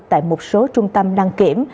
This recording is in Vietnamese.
tại một số trung tâm đăng kiểm